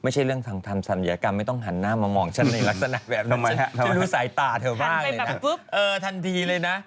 แล้วนี่ไง